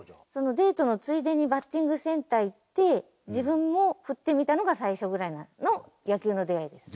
デートのついでにバッティングセンター行って自分も振ってみたのが最初ぐらいの野球の出会いです。